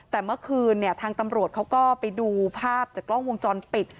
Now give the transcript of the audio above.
แต่เมื่อคืนเนี่ยทางตำรวจเขาก็ไปดูภาพจากกล้องวงจรปิด